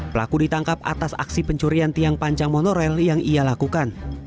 pelaku ditangkap atas aksi pencurian tiang panjang monorail yang ia lakukan